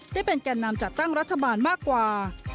ได้เป็นแก่นำจัดตั้งรัฐบาลมากกว่า